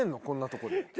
こんなとこで。